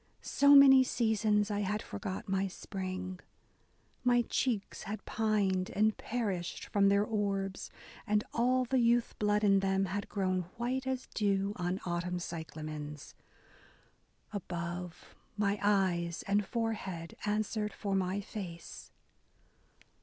So many seasons I had forgot my spring ; My cheeks had pined and perished from their orbs. And all the youth blood in them had grown white As dew on autumn cyclamens : above My eyes and forehead answered for my face."